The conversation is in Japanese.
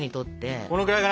このぐらいかな？